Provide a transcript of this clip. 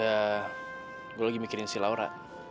ya gue lagi mikirin si laura